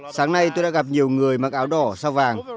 sáng nay tôi đã gặp nhiều người mặc áo đỏ sao vàng